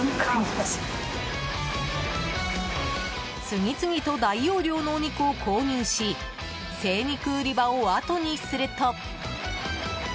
次々と大容量のお肉を購入し精肉売り場を後にすると。